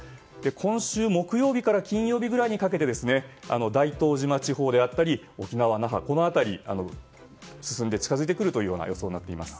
今週木曜から金曜ぐらいにかけて大東島地方や沖縄・那覇の辺りに進んで近づいていく予想になっています。